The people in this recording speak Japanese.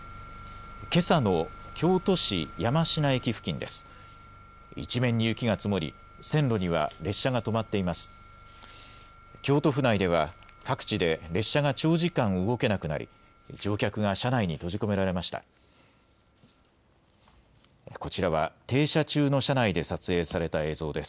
けさの京都市山科駅付近です。